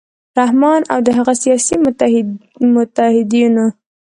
رحمان او د هغه سیاسي متحدینو